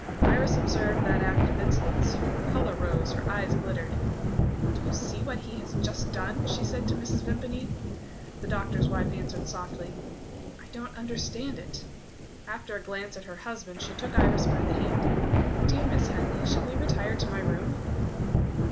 Iris observed that act of insolence; her colour rose, her eyes glittered. "Do you see what he has just done?" she said to Mrs. Vimpany. The doctor's wife answered softly: "I don't understand it." After a glance at her husband, she took Iris by the hand: "Dear Miss Henley, shall we retire to my room?"